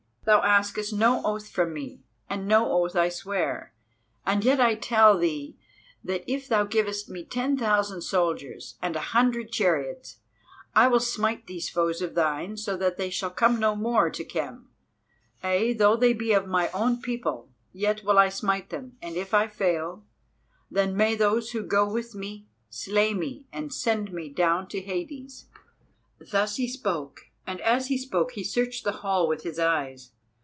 Thou askest no oath from me, and no oath I swear, yet I tell thee that if thou givest me ten thousand soldiers and a hundred chariots, I will smite these foes of thine so that they shall come no more to Khem, ay, though they be of my own people, yet will I smite them, and if I fail, then may those who go with me slay me and send me down to Hades." Thus he spoke, and as he spoke he searched the hall with his eyes.